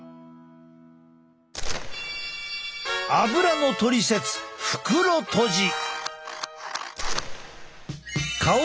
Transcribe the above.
アブラのトリセツ袋とじ！